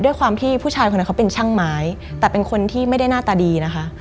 ด้วยความที่ผู้ชายคนนั้นเขาเป็นช่างไม้แต่เป็นคนที่ไม่ได้หน้าตาดีนะคะ